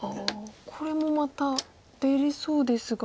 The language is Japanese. これもまた出れそうですが。